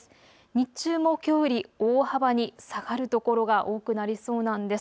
日中もきょうより大幅に下がる所が多くなりそうなんです。